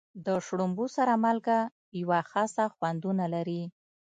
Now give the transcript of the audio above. د شړومبو سره مالګه یوه خاصه خوندونه لري.